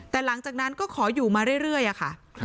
แต่หลังจากนั้นก็ขออยู่มาเรื่อยค่ะ